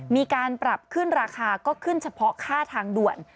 มีการปรับขึ้นราคาก็ขึ้นเฉพาะค่าทางด่วน